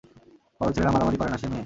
বড় ছেলেরা মারামারি করে না সে মেয়ে।